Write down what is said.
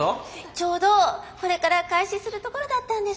ちょうどこれから開始するところだったんです。